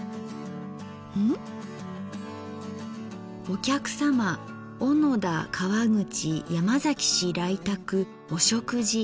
「お客さま小野田河口山崎氏来宅お食事」。